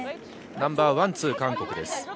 ナンバーワン、ツー、韓国です。